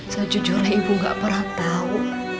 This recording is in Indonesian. sejujurnya ibu gak pernah tau